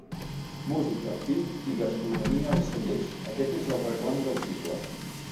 Música, vi i gastronomia als cellers, aquest és el reclam del cicle.